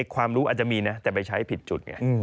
ความรู้อาจจะมีนะแต่ไปใช้ผิดจุดไง